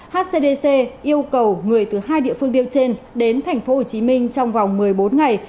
hcdc yêu cầu người từ hai địa phương điều trên đến tp hcm trong vòng một mươi bốn ngày